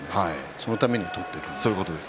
そのために取っているので。